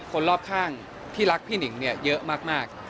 คนรอบข้างที่รักพี่หนิงเนี่ยเยอะมาก